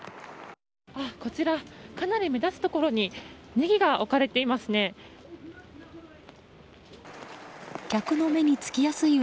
こちら、かなり目立つところにネギが置かれていますね。